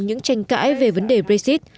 những tranh cãi về vấn đề brexit